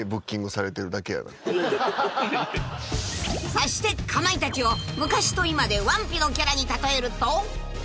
［そしてかまいたちを昔と今で『ワンピ』のキャラに例えると？］